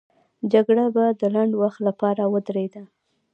جګړه به د لنډ وخت لپاره ودرېده.